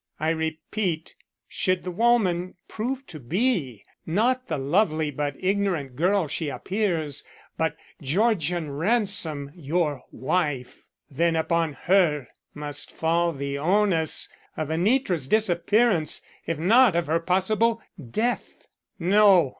I repeat, should the woman prove to be, not the lovely but ignorant girl she appears, but Georgian Ransom, your wife, then upon her must fall the onus of Anitra's disappearance if not of her possible death. No!